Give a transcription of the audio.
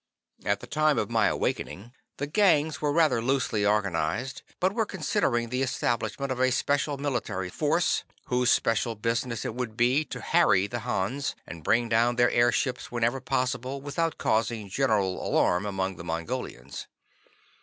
At the time of my awakening, the gangs were rather loosely organized, but were considering the establishment of a special military force, whose special business it would be to harry the Hans and bring down their air ships whenever possible without causing general alarm among the Mongolians.